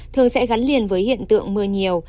thường sẽ gắn liền với hiện tượng mưa nhiều